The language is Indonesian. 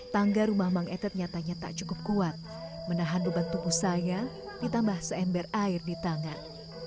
tangga rumah mang etet nyatanya tak cukup kuat menahan beban tubuh saya ditambah seember air di tangan